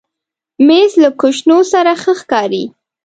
مېز له کوشنو سره ښه ښکاري.